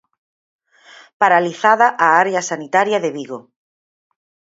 Paralizada a área sanitaria de Vigo.